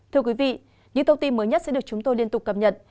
thưa quý vị những thông tin mới nhất sẽ được chúng tôi liên tục cập nhật